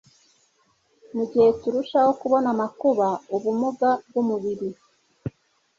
mu gihe turushaho kubona amakuba, ubumuga bw'umubiri